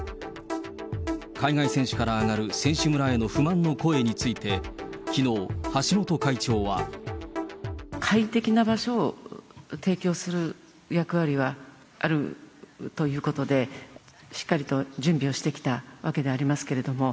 海外選手から上がる選手村への不満の声について、きのう、橋本会長は。快適な場所を提供する役割はあるということで、しっかりと準備をしてきたわけでありますけれども。